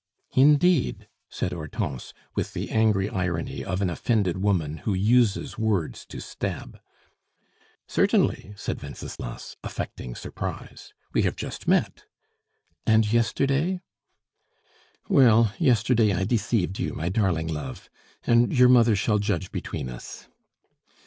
"Indeed!" said Hortense, with the angry irony of an offended woman who uses words to stab. "Certainly," said Wenceslas, affecting surprise. "We have just met." "And yesterday?" "Well, yesterday I deceived you, my darling love; and your mother shall judge between us."